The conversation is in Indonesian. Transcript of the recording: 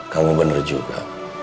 kamu bener juga